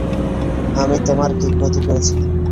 আমি তোমার কী ক্ষতি করেছিলাম?